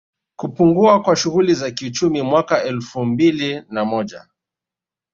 Kupungua kwa shughuli za kiuchumi Mwaka wa elfumbili na moja